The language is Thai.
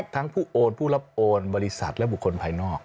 ทั้งผู้โอนผู้รับโอนบริษัทและบุคคลภายนอก